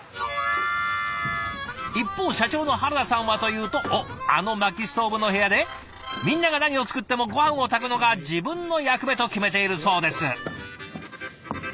一方社長の原田さんはというとおっあのまきストーブの部屋でみんなが何を作ってもごはんを炊くのが自分の役目と決めているそうです。